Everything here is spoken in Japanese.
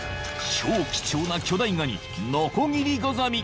［超貴重な巨大ガニノコギリガザミ］